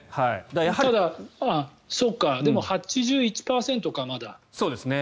ただでも８１％か、まだ。